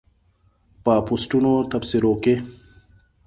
په پوسټونو تبصرو کې